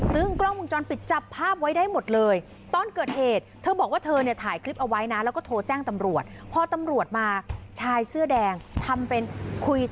ซึ่งกล้องวงจรปิดจับภาพไว้ได้หมดเลย